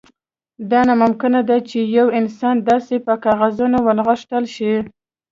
دا ناممکن ده چې یو انسان داسې په کاغذونو ونغښتل شي